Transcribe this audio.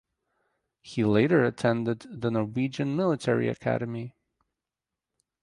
He later attended the Norwegian Military Academy.